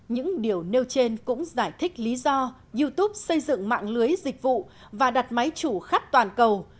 những điều nêu trên cũng giải thích lý do youtube xây dựng mạng lưới dịch vụ và đặt máy chủ khắp toàn cầu